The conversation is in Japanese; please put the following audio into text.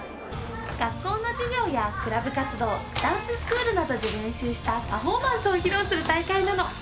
学校の授業やクラブ活動ダンススクールなどで練習したパフォーマンスを披露する大会なの。